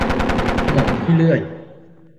สมองขี้เลื้อย